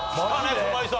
駒井さん！